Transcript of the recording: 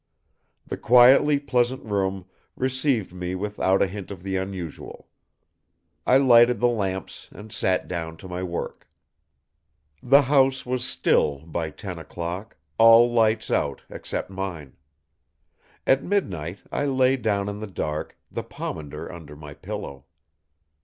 The quietly pleasant room received me without a hint of the unusual. I lighted the lamps and sat down to my work. The house was still by ten o'clock, all lights out except mine. At midnight I lay down in the dark, the pomander under my pillow.